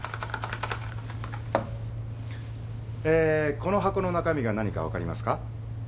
・この箱の中身が何か分かりますか？